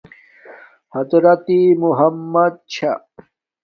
حضرت محمدؐ چھݳ.